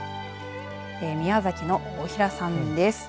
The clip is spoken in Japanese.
宮崎の大平さんです。